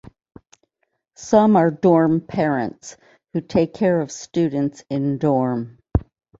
Some are dorm parents, who take care of students in dorm.